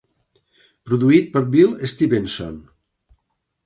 Produït per Bill Stevenson.